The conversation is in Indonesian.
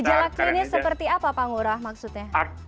gejala klinis seperti apa pak ngurah maksudnya